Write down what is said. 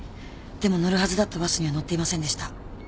でも乗るはずだったバスには乗っていませんでした。